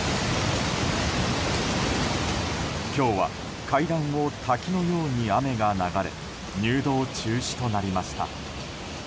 今日は階段を滝のように雨が流れ入洞中止となりました。